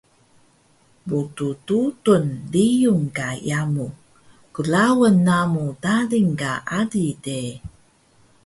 Pddudul riyung ka yamu, klaun namu daling ka ali de